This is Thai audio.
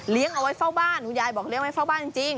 เอาไว้เฝ้าบ้านคุณยายบอกเลี้ยไว้เฝ้าบ้านจริง